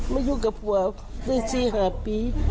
มาอยู่กับผัวได้สี่ห้าปี